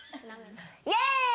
イェーイ！